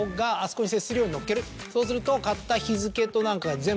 そうすると。